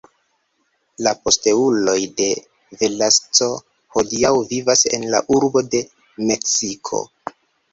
La posteuloj de Velasco hodiaŭ vivas en la urbo de Meksiko.